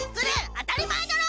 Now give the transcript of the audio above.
当たり前だろ！